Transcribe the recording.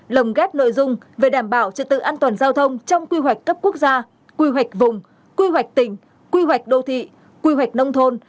lồng ghép nội dung về đảm bảo trật tự an toàn giao thông trong quy hoạch cấp quốc gia quy hoạch vùng quy hoạch tỉnh quy hoạch đô thị quy hoạch nông thôn